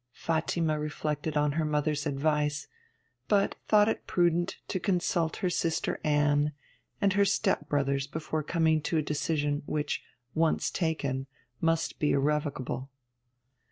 Fatima reflected on her mother's advice, but thought it prudent to consult her sister Anne and her step brothers before coming to a decision which, once taken, must be irrevocable.